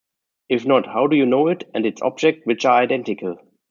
If not, how do you know it and its object which are identical?